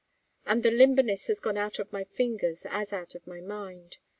And the limberness has gone out of my fingers as out of my mind.